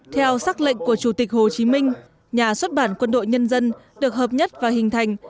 theo xác lệnh của chủ tịch hồ chí minh nhà xuất bản quân đội nhân dân được hợp nhất và hình thành